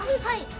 はい。